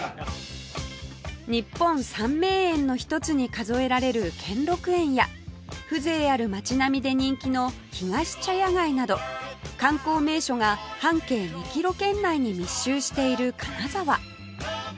日本三名園の一つに数えられる兼六園や風情ある街並みで人気のひがし茶屋街など観光名所が半径２キロ圏内に密集している金沢